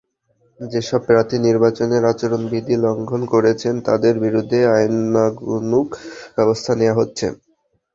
যেসব প্রার্থী নির্বাচনের আচরণবিধি লঙ্ঘন করছেন, তাঁদের বিরুদ্ধেই আইনানুগ ব্যবস্থা নেওয়া হচ্ছে।